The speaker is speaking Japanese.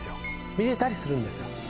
見れたりするんですよ